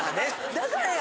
だからや。